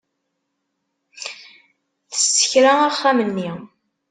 Tessekra axxam-nni.